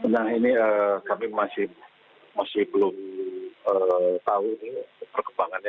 nah ini kami masih belum tahu ini perkembangannya